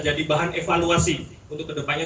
jadi bahan evaluasi untuk kedepannya